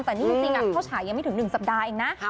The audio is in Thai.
แต่นี่จริงเข้าฉายยังไม่ถึง๑สัปดาห์เองนะ